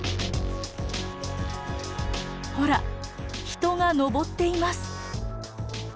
ほら人が登っています！